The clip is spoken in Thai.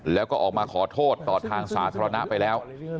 แล้วก็ออกมาขอโทษต่อทางสาธารณะไปแล้ว